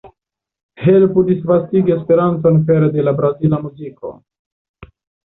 Helpu disvastigi Esperanton pere de la brazila muziko!